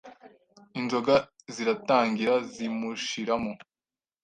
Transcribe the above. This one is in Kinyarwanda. inzoga ziratangira zimushiramo